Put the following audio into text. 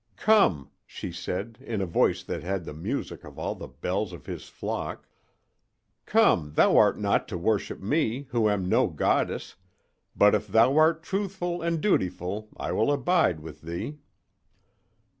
"Come," she said in a voice that had the music of all the bells of his flock—"come, thou art not to worship me, who am no goddess, but if thou art truthful and dutiful I will abide with thee."